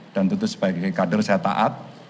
dan tentu sebagai kader saya taat